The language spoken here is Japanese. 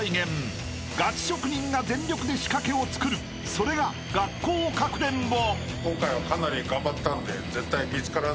［それが学校かくれんぼ］